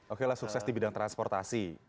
oke lah sukses di bidang transportasi